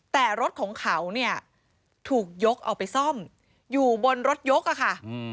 แต่รถของเขาเนี่ยถูกยกเอาไปซ่อมอยู่บนรถยกอะค่ะ